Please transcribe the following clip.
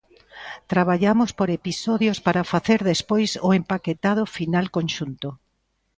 Traballamos por episodios para facer despois o empaquetado final conxunto.